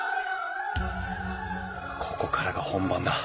ここからが本番だ。